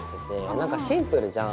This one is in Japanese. なんかシンプルじゃん？